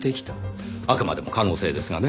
あくまでも可能性ですがね。